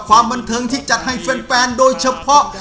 ความบันเทิงที่จัดให้แฟนโดยเฉพาะ